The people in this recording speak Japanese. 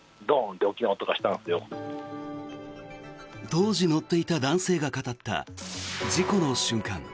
当時乗っていた男性が語った事故の瞬間。